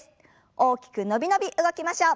大きく伸び伸び動きましょう。